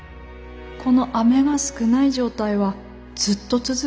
この雨が少ない状態はずっと続ぐの？